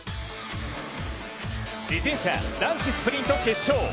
自転車男子スプリント決勝。